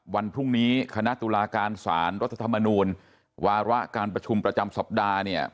วันพรุ่งนี้คณะตุลาการสารรัฐธรรมนูลวาระการประชุมประจำสัปดาห์เนี่ย